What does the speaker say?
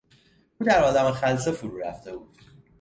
او در عالم خلسه فرورفته بود.